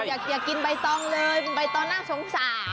อยากกินใบตองเลยคุณใบตองน่าสงสาร